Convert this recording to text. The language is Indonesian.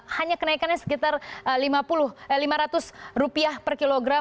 hanya kenaikannya sekitar rp lima ratus per kilogram